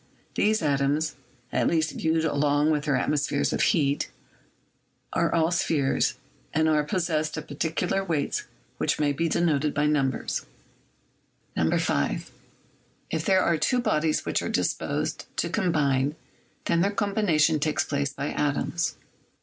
These atoms (at least viewed along with their atmospheres of heat) are all spheres, and are possessed of particular weights which may be denoted by number. ATOMIC THEORY— WORK OF DAVY 183 5. If there are two bodies which are disposed to com bine, then their combination takes place by atoms.